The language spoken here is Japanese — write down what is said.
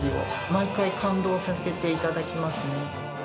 毎回、感動させていただきますね。